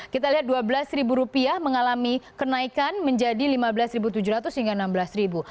kita lihat rp dua belas rupiah mengalami kenaikan menjadi rp lima belas tujuh ratus hingga rp enam belas